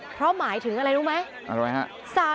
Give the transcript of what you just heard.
เพราะหมายถึงอะไรรู้ไหมอะไรฮะ